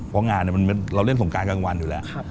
เพราะงานเราเล่นสงการกลางวันอยู่แล้ว